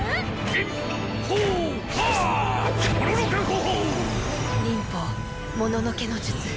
忍法もののけの術。